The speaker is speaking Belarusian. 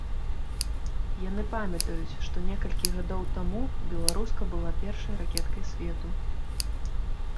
Яны памятаюць, што некалькі гадоў таму беларуска была першай ракеткай свету.